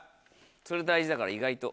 それ大事だから意外と。